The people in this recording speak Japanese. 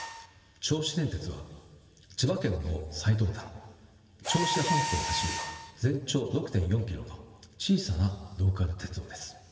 銚子電鉄は千葉県の最東端銚子半島を走る全長６．４ｋｍの小さなローカル鉄道です。